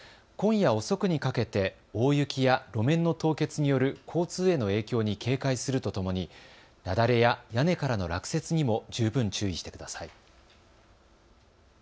今夜遅くにかけて大雪や路面の凍結による交通への影響に警戒するとともに雪崩や屋根からの落雪にも十分注意してください。